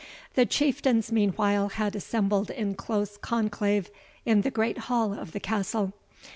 The Chieftains meanwhile had assembled in close conclave in the great hall of the castle.